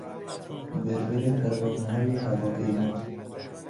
ور ور پروانههای هواپیما